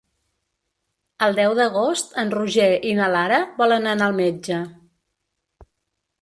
El deu d'agost en Roger i na Lara volen anar al metge.